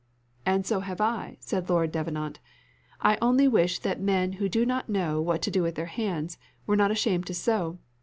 "And so have I," said Lord Davenant. "I only wish that men who do not know what to do with their hands, were not ashamed to sew.